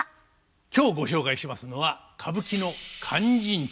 今日ご紹介しますのは歌舞伎の「勧進帳」です。